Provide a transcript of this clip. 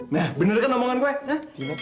nah bener kan omongan gue kan